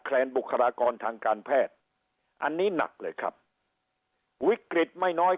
บุคลากรทางการแพทย์อันนี้หนักเลยครับวิกฤตไม่น้อย